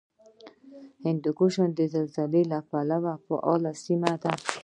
هندوکش د زلزلې له پلوه فعاله سیمه ده